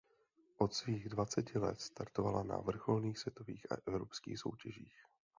Od svých dvaceti let startovala na vrcholných světových a evropských soutěžích.